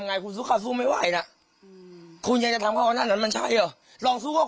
ถ้าหมายว่าชีวิตคุณรักหรือไม่รักที่คำ